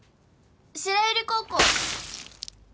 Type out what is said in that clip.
白百合高校。